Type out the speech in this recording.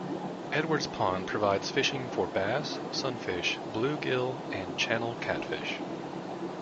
Edwards Pond provides fishing for bass, sunfish, bluegill and channel catfish.